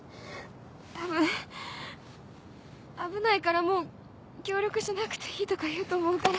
多分「危ないからもう協力しなくていい」とか言うと思うから。